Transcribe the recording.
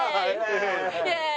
イエーイ！